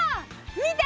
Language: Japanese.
見て！